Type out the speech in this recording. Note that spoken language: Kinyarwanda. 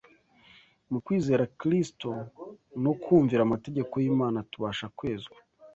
Mu kwizera Kristo no kumvira amategeko y’Imana tubasha kwezwa